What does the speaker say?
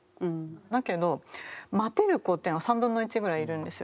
だけど待てる子っていうのは３分の１ぐらいいるんですよ。